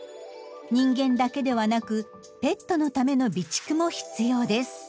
人間だけではなくペットのための備蓄も必要です。